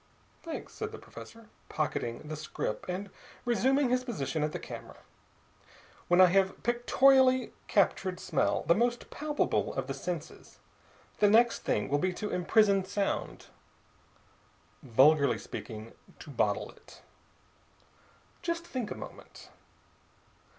"Thanks," said the professor, pocketing the scrip and resuming his position at the camera. "When I have pictorially captured smell, the most palpable of the senses, the next thing will be to imprison sound vulgarly speaking, to bottle it. Just think a moment.